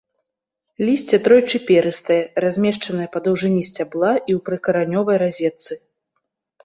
Лісце тройчы перыстае, размешчанае па даўжыні сцябла і ў прыкаранёвай разетцы.